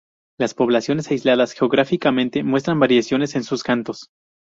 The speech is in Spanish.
Las poblaciones aisladas geográficamente muestran variaciones en sus cantos.